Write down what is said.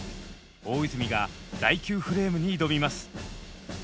大泉が第９フレームに挑みます。